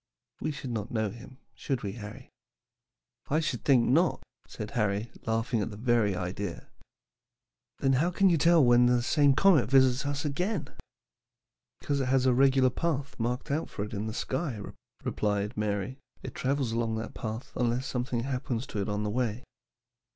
We should not know him, should we, Harry?" [Illustration: OLD PICTURE OF A COMET.] "I should think not," said Harry, laughing at the very idea. "Then how can you tell when the same comet visits us again?" "Because it has a regular path marked out for it in the sky," replied Mary, "and it travels along that path unless something happens to it on the way.